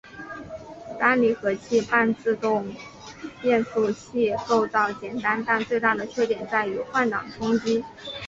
单离合器半自动变速器构造简单但最大的缺点在于换挡冲击。